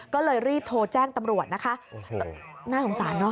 ก็เลยรีบโทรแจ้งตำรวจนะคะน่าสงสารเนอ